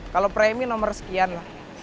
kalau premi nomor sekian lah